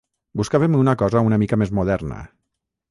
Buscàvem una cosa una mica més moderna.